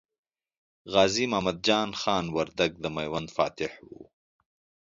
غازي محمد جان خان وردګ د میوند فاتح و.